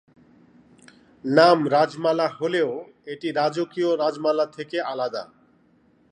নাম রাজমালা হলেও এটি রাজকীয় রাজমালা থেকে আলাদা।